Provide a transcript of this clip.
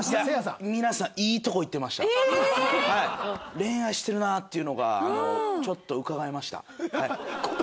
恋愛してるなあっていうのがちょっとうかがえました。